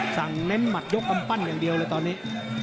เน้นหมัดยกกำปั้นอย่างเดียวเลยตอนนี้